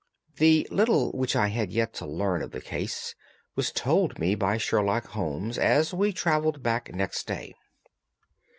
The little which I had yet to learn of the case was told me by Sherlock Holmes as we travelled back next day.